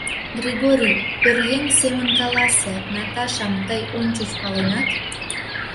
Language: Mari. — Григорий, пӧръеҥ семын каласе, Наташам тый ончыч паленат?